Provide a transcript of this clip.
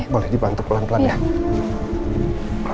boleh dibantu pelan pelan ya